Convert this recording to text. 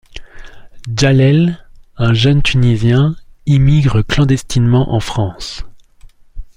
Jallel, un jeune Tunisien, immigre clandestinement en France.